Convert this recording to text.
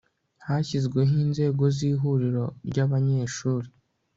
hashyizweho inzego z'ihuriro ry'abanyeshuri